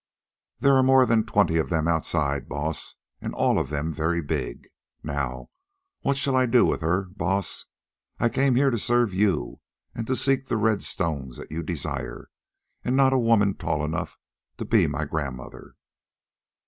There are more than twenty of them outside, Baas, and all of them very big. Now, what shall I do with her, Baas? I came here to serve you and to seek the red stones that you desire, and not a woman tall enough to be my grandmother."